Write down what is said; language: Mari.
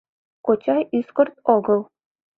— Кочай ӱскырт огыл.